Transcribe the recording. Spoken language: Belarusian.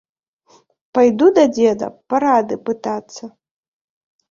Пайду да дзеда парады пытацца.